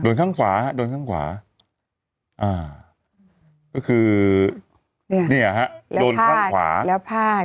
ข้างขวาฮะโดนข้างขวาอ่าก็คือเนี่ยเนี่ยฮะโดนข้างขวาแล้วพาด